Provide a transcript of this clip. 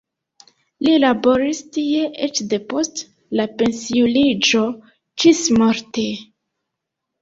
Li laboris tie eĉ depost la pensiuliĝo ĝismorte.